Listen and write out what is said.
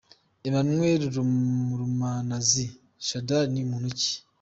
Emmanuel Ramazani Shadari ni muntu ki?.